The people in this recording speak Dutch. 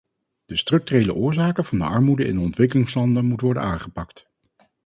De structurele oorzaken van de armoede in de ontwikkelingslanden moeten worden aangepakt.